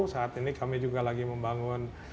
saat ini kami juga lagi membangun